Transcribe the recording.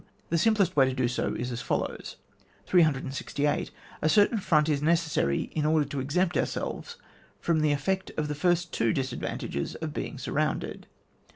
The simplest way to do so is as follows :— 368. A certain front is necessary in order to exempt ourselves from the effect of the first of the two disadvantages of being surroimded.